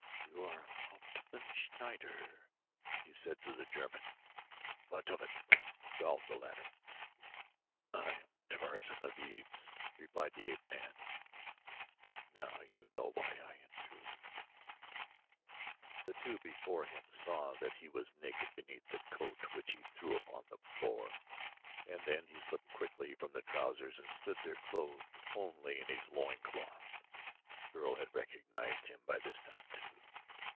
"You are Hauptmann Schneider," he said to the German. "What of it?" growled the latter. "I am Tarzan of the Apes," replied the ape man. "Now you know why I intrude." The two before him saw that he was naked beneath the coat which he threw upon the floor and then he slipped quickly from the trousers and stood there clothed only in his loin cloth. The girl had recognized him by this time, too.